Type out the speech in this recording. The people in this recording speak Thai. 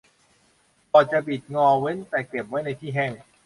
บอร์ดจะบิดงอเว้นแต่เก็บไว้ในที่แห้ง